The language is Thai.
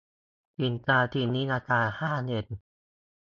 สินค้าชิ้นนี้ราคาห้าเยน